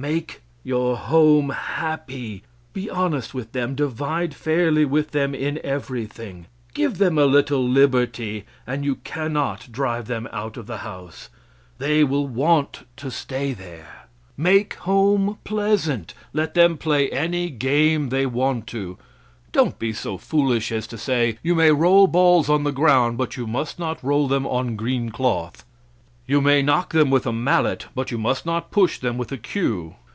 Make your home happy. Be honest with them, divide fairly with them in everything. Give them a little liberty, and you cannot drive them out of the house. They will want to stay there. Make home pleasant. Let them play any game they want to. Don't be so foolish as to say: "You may roll balls on the ground, but you must not roll them on green cloth. You may knock them with a mallet, but you must not push them with a cue.